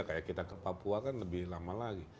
kayak kita ke papua kan lebih lama lagi